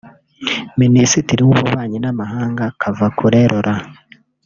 Minisitiri w’ububanyi n’amahanga Kavakure Laurent